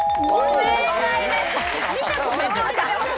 正解です。